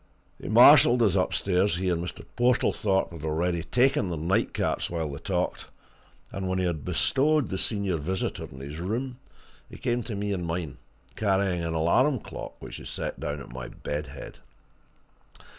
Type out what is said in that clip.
He marshalled us upstairs he and Mr. Portlethorpe had already taken their night caps while they talked, and when he had bestowed the senior visitor in his room, he came to me in mine, carrying an alarm clock which he set down at my bed head.